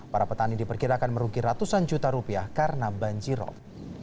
para petani diperkirakan merugi ratusan juta rupiah karena banjirop